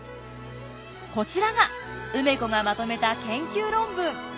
こちらが梅子がまとめた研究論文。